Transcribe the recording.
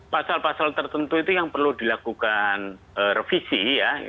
pasal pasal tertentu itu yang perlu dilakukan revisi ya